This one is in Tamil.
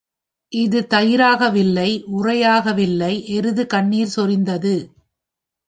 அது தயிராக வில்லை உறையாகவேஇல்லை எருது கண்ணிர் சொரிந்தது.